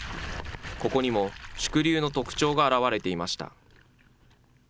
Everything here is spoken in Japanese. ここにも縮流の特徴が現れていました。